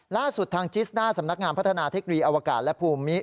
ล่าสุดทางจิสน่าสำนักงานพัฒนาเทคโนโลยอวกาศและภูมิ